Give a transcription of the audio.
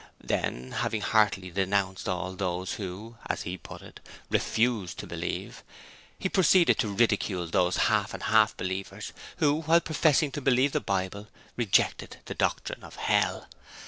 Then, having heartily denounced all those who as he put it 'refused' to believe, he proceeded to ridicule those half and half believers, who, while professing to believe the Bible, rejected the doctrine of Hell.